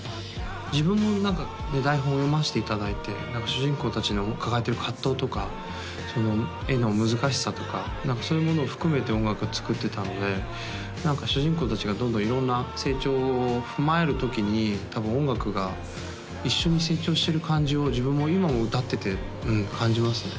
自分も何か台本読ませていただいて主人公達の抱えてる葛藤とか絵の難しさとか何かそういうものを含めて音楽作ってたので何か主人公達がどんどん色んな成長を踏まえる時に多分音楽が一緒に成長してる感じを自分も今も歌っててうん感じますね